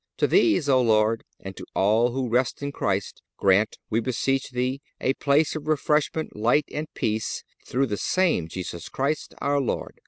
To these, O Lord, and to all who rest in Christ grant, we beseech Thee, a place of refreshment, light and peace, through the same Jesus Christ our Lord."